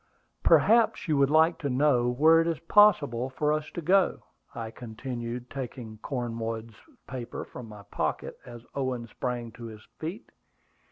"Perhaps you would like to know where it is possible for us to go," I continued, taking Cornwood's paper from my pocket as Owen sprang to his feet.